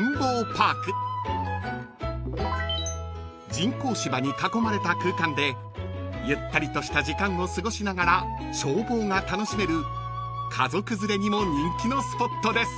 ［人工芝に囲まれた空間でゆったりとした時間を過ごしながら眺望が楽しめる家族連れにも人気のスポットです］